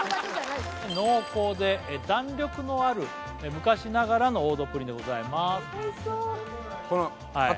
僕が濃厚で弾力のある昔ながらの王道プリンでございます・